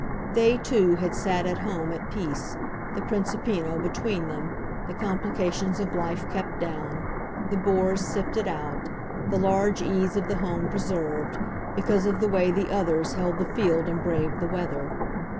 They two had sat at home at peace, the Principino between them, the complications of life kept down, the bores sifted out, the large ease of the home preserved, because of the way the others held the field and braved the weather.